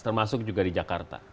termasuk juga di jakarta